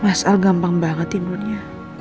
mas al gampang banget tidurnya